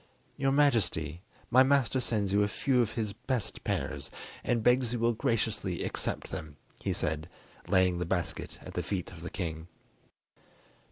"Your Majesty, my master sends you a few of his best pears, and begs you will graciously accept them," he said, laying the basket at the feet of the king.